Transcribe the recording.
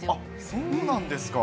そうなんですか。